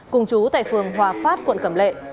cùng chú tại phường hòa phát quận cẩm lệ